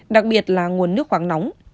đặc biệt là nguồn nước khoáng nóng